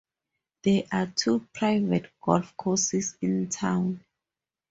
There are two private golf courses in town.